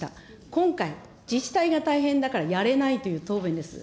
今回、自治体が大変だからやれないという答弁です。